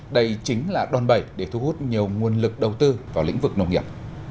đây chính là đòn bẩy để thu hút nhiều nguồn lực đầu tư vào lĩnh vực nông nghiệp